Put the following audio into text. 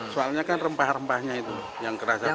soalnya kan rempah rempahnya itu yang kerasa banget